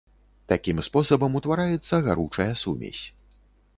Такім спосабам утвараецца гаручая сумесь.